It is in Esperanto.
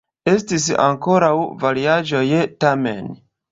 Estis ankoraŭ variaĵoj, tamen.